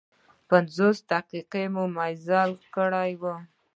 پنځلس دقيقې مزل مو کړی و.